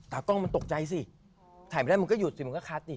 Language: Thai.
กล้องมันตกใจสิถ่ายไม่ได้มันก็หยุดสิมันก็คัดดิ